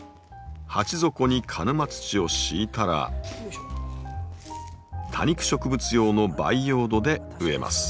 鉢底に鹿沼土を敷いたら多肉植物用の培養土で植えます。